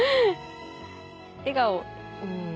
笑顔うん。